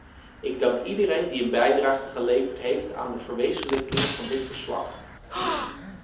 Ik dank iedereen die een bijdrage geleverd heeft aan de verwezenlijking van dit verslag.